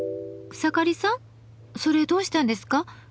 草刈さんそれどうしたんですか？